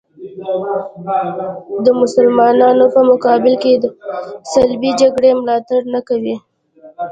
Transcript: د مسلمانانو په مقابل کې د صلیبي جګړې ملاتړ نه کوي.